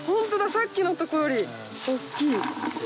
さっきのとこより大っきい。